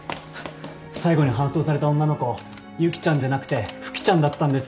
最後に搬送された女の子ゆきちゃんじゃなくてふきちゃんだったんですよ。